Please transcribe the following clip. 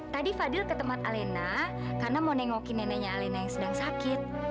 tadi fadil ke tempat alena karena mau nengokin neneknya alena yang sedang sakit